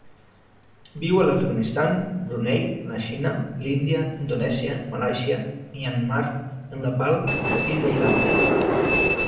Viu a l'Afganistan, Brunei, la Xina, l'Índia, Indonèsia, Malàisia, Myanmar, el Nepal i Tailàndia.